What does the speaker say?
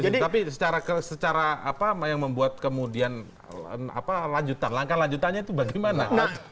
tapi secara apa yang membuat kemudian lanjutan langkah lanjutannya itu bagaimana